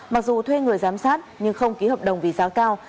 mặc dù thuê người giám sát nhưng không ký hợp đồng vì giá cao